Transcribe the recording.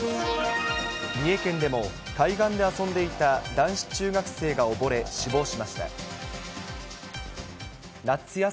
三重県でも海岸で遊んでいた男子中学生が溺れ、死亡しました。